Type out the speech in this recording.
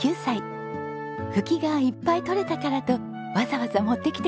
フキがいっぱい採れたからとわざわざ持ってきてくれたんです。